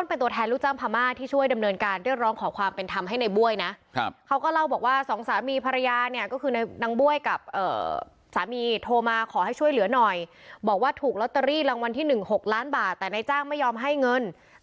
เพราะว่าถูกหักภาษีไว้๓หมื่นบาทอ๋อค่าถูกอันนี้หนึ่งอ่าใช่